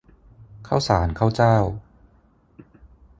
ข้าวสารข้าวเจ้า